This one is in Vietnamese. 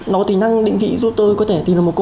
nó có tính năng định vị giúp tôi có thể tìm được mọi thứ